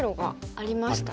ありましたね。